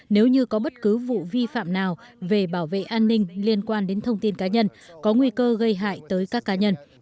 nếu như có bất cứ vụ vi phạm nào về bảo vệ an ninh liên quan đến thông tin cá nhân có nguy cơ gây hại tới các cá nhân